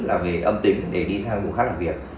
là về âm tính để đi sang vùng khác làm việc